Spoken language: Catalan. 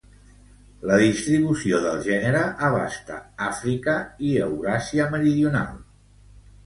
La distribució del gènere abasta Àfrica i Euràsia meridional.